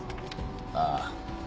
ああ。